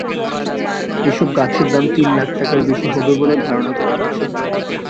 এসব গাছের দাম তিন লাখ টাকার বেশি হবে বলে ধারণা করা হচ্ছে।